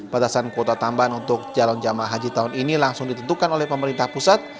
batasan kuota tambahan untuk calon jemaah haji tahun ini langsung ditentukan oleh pemerintah pusat